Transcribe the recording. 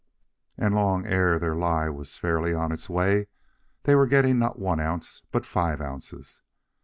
And long ere the lie was fairly on its way, they were getting not one ounce but five ounces.